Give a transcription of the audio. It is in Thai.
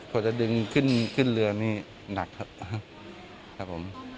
กว่าจะดึงขึ้นเรือนี่หนักครับ